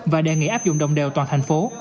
và đề nghị áp dụng đồng đều toàn thành phố